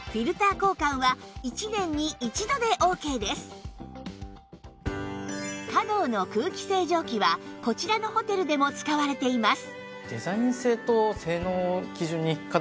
しかもｃａｄｏ の空気清浄機はこちらのホテルでも使われています